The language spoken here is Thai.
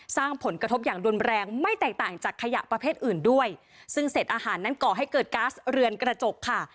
สร้างผลกระทบอย่างรุนแรงไม่แตกต่างจากขยะประเภทอื่นด้วยซึ่งเศษอาหารนั้นก่อให้เกิดก๊าซเรือนกระจกค่ะ